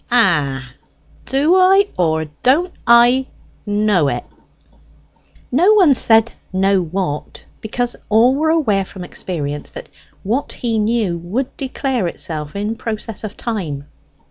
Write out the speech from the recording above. "Ah, do I or don't I know it!" No one said "Know what?" because all were aware from experience that what he knew would declare itself in process of time.